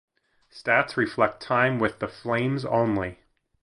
Stats reflect time with the Flames only.